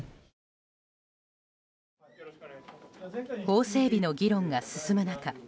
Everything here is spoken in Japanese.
法整備の議論が進む中